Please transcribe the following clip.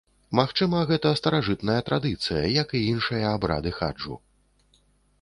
Магчыма, гэта старажытная традыцыя, як і іншыя абрады хаджу.